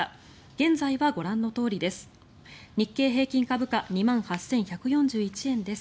現在はご覧のとおりです。